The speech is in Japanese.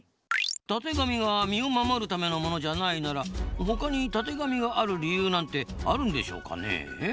たてがみが身を守るためのものじゃないなら他にたてがみがある理由なんてあるんでしょうかねえ？